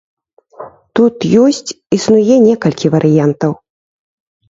Тут ёсць існуе некалькі варыянтаў.